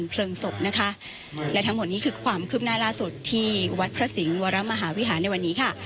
เพลิงศพนะคะและทั้งหมดนี้คือความคืบหน้าล่าสุดที่วัดพระสิงห์วรมหาวิหารในวันนี้ค่ะ